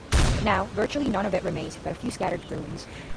Now, virtually none of it remains, but a few scattered ruins.